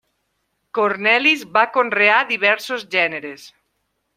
Cornelis va conrear diversos gèneres.